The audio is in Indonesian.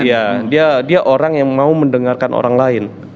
iya dia orang yang mau mendengarkan orang lain